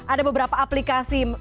ada beberapa aplikasi